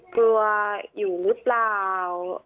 กลัวอยู่หรือเปล่า